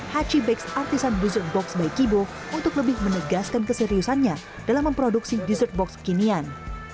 hachi bakes artisan dessert box by kibo untuk lebih menegaskan keseriusannya dalam memproduksi dessert box kekinian